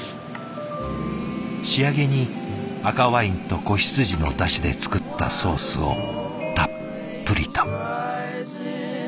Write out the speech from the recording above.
仕上げに赤ワインと子羊のだしで作ったソースをたっぷりと。